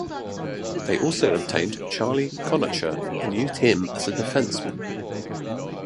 They also obtained Charlie Conacher and used him as a defenceman.